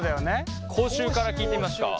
口臭から聞いてみますか？